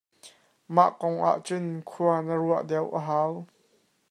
Mah kong ahcun khua na ruah deuh a hau.